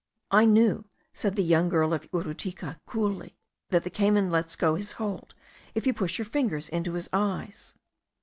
"I knew," said the young girl of Uritucu coolly, "that the cayman lets go his hold, if you push your fingers into his eyes."